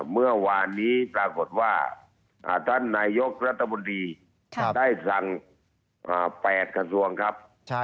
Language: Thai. เมื่อวานนี้ปรากฏว่าท่านนายกรัฐมนตรีได้สั่ง๘กระทรวงครับ